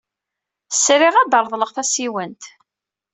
Sriɣ ad d-reḍleɣ tasiwant.